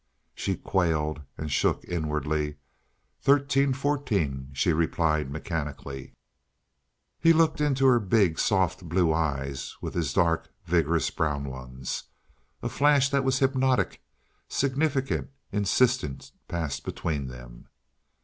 She quailed and shook inwardly. "Thirteen fourteen," she replied mechanically. He looked into her big, soft blue eyes with his dark, vigorous brown ones. A flash that was hypnotic, significant, insistent passed between them.